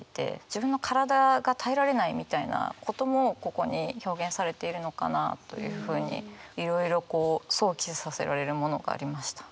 自分の体が耐えられないみたいなこともここに表現されているのかなというふうにいろいろこう想起させられるものがありました。